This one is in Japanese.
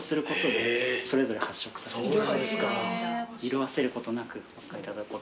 色あせることなくお使いいただくことが。